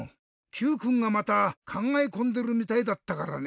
Ｑくんがまたかんがえこんでるみたいだったからね。